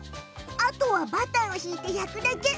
あとはバターを引いて焼くだけ。